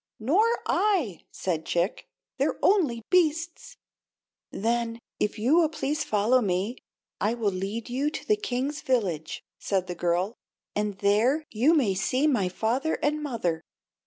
"Nor I," said Chick. "They're only beasts." "Then, if you will please follow me, I will lead you to the king's village," said the girl; "and there you may see my father and mother."